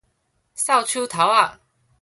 掃帚頭仔